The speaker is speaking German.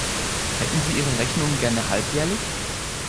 Hätten Sie Ihre Rechnung gerne halbjährlich?